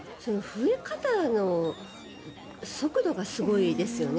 増え方の速度がすごいですよね。